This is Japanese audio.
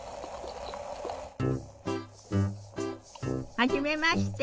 はじめまして。